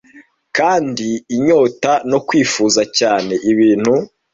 Kandi inyota no kwifuza cyane ibintu